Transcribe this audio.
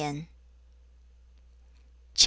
CHAP.